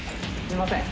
すみません。